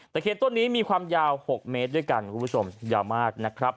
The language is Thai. เคียนต้นนี้มีความยาว๖เมตรด้วยกันคุณผู้ชมยาวมากนะครับ